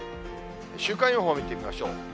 週間予報見ていきましょう。